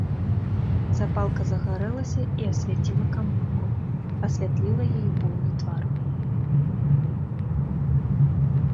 Запалка загарэлася і асвяціла каморку, асвятліла яе поўны твар.